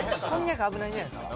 こんにゃく危ないんじゃないですか。